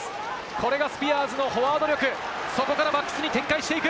これがスピアーズのフォワード力、そこからバックスに展開していく。